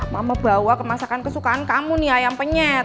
mama bawa kemasan kesukaan kamu nih ayam penyet